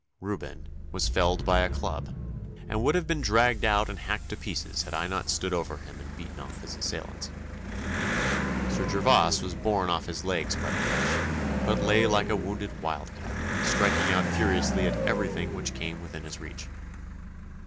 Reuben was felled by a club, and would have been dragged out and hacked to pieces had I not stood over him and beaten off his assailants. Sir Gervas was borne off his legs by the rush, but lay like a wounded wildcat, striking out furiously at everything which came within his reach.